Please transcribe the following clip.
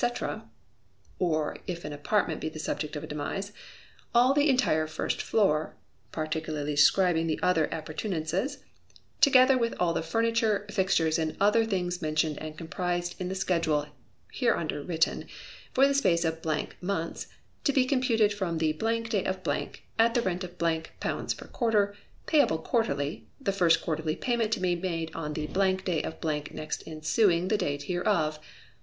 [or if an apartment be the subject of demise, all the entire first floor, particularly describing the other appurtenances], together with all the furniture, fixtures, and other things mentioned and comprised in the schedule hereunder written, for the space of months, to be computed from the day of , at the rent of pounds per quarter, payable quarterly, the first quarterly payment to be made on the day of next ensuing the date hereof.